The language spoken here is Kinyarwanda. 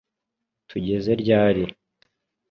tugeze ryari